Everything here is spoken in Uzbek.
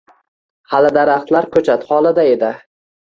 Hali daraxtlar koʻchat holida edi.